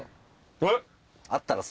あったら？